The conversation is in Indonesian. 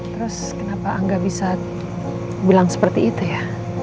terus kenapa angga bisa bilang seperti itu ya